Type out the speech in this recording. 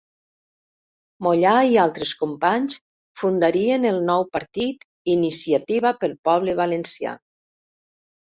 Mollà i altres companys fundarien el nou partit Iniciativa pel Poble Valencià.